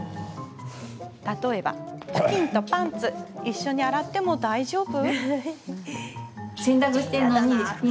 例えば、ふきんとパンツ一緒に洗っても大丈夫？